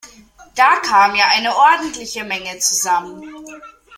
Da kam ja eine ordentliche Menge zusammen!